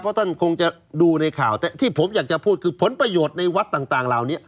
เพราะท่านคงจะดูในข่าวแต่ที่ผมอยากจะพูดคือผลประโยชน์ในวัดต่างเหล่านี้